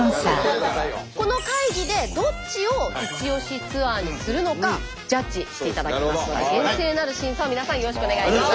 この会議でどっちをイチオシツアーにするのかジャッジしていただきますので厳正なる審査を皆さんよろしくお願いします。